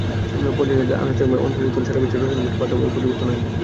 পর্যায় সারণিতে আনুষ্ঠানিকভাবে অন্তর্ভুক্ত হলে সারা বিশ্বের রসায়ন পাঠ্যবইয়ে পরিবর্তন আসবে।